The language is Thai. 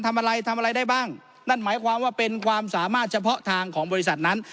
ทำอะไรทำอะไรได้บ้างนั่นหมายความว่าเป็นความสามารถเฉพาะทางของบริษัทนั้น